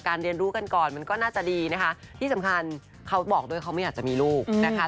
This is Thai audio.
เรียนรู้กันก่อนมันก็น่าจะดีนะคะที่สำคัญเขาบอกด้วยเขาไม่อยากจะมีลูกนะคะ